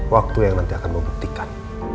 waktu yang nanti akan membuktikan